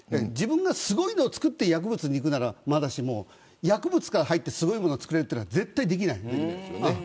すごいのを作って薬物にいくなら分かるけど薬物から入ってすごいものを作るのは絶対にできない。